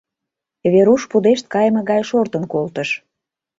Веруш пудешт кайыме гай шортын колтыш.